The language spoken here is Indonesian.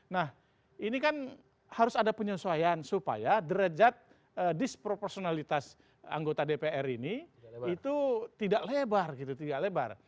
nah ini kan harus ada penyesuaian supaya derajat disproporsionalitas anggota dpr ini itu tidak lebar gitu tidak lebar